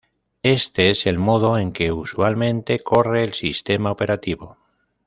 Este es el modo en que usualmente corre el sistema operativo".